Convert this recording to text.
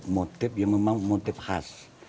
motif yang memang motif khas